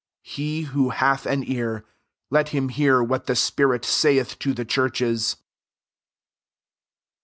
22 He who hath an ear, let him hear what the spirit saith to the churches."